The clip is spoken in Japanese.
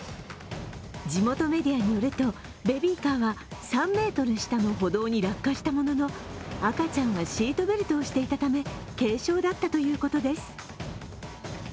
地元メディアによると、ベビーカーは３ｍ下の歩道に落下したものの赤ちゃんはシートベルトをしていたため、軽傷だったということです。